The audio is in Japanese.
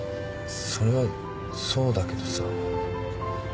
それはそうだけどさ。